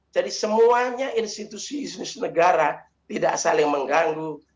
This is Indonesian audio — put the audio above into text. jadi semuanya institusi institus negara tidak saling mengganggu